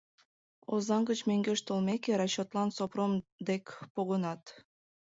Озаҥ гыч мӧҥгеш толмеке, расчётлан Сопром дек погынат.